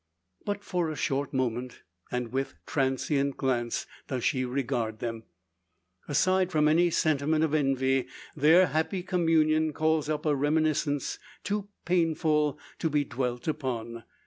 But for a short moment, and with transient glance, does she regard them. Aside from any sentiment of envy, their happy communion calls up a reminiscence too painful to be dwelt upon.